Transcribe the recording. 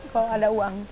kalau ada uang